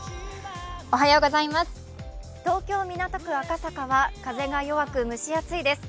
東京・港区赤坂は風が弱く蒸し暑いです。